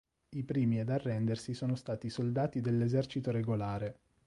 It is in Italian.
I primi ad arrendersi sono stati i soldati dell'esercito regolare.